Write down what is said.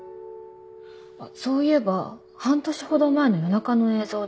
あっそういえば半年ほど前の夜中の映像で。